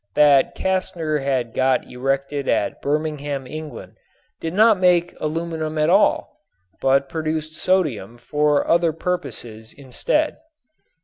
that Castner had got erected at Birmingham, England, did not make aluminum at all, but produced sodium for other purposes instead.